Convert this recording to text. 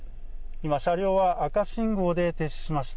今、車両は赤信号で停止しました。